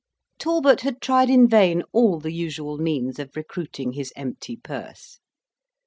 Talbot had tried in vain all the usual means of recruiting his empty purse.